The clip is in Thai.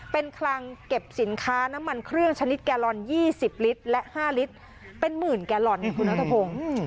เป็นคลังเก็บสินค้าน้ำมันเครื่องชนิดแกโลนยี่สิบลิตรและห้าลิตรเป็นหมื่นแกโลนเนี่ยคุณอาทธพงศ์